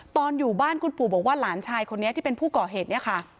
ตอนอยู่บ้านคุณปู่บอกว่าหลานชายคนนี้ที่เป็นผู้ก่อเหตุเนี่ยค่ะ